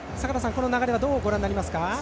この流れはどうご覧になりますか。